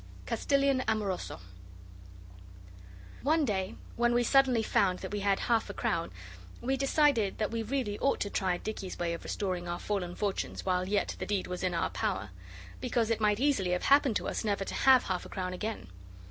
CASTILIAN AMOROSO One day when we suddenly found that we had half a crown we decided that we really ought to try Dicky's way of restoring our fallen fortunes while yet the deed was in our power. Because it might easily have happened to us never to have half a crown again.